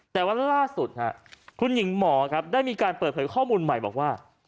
แต่ว่าล่าสุดคุณหญิงหมอครับได้มีการเปิดเผยข้อมูลใหม่บอกว่า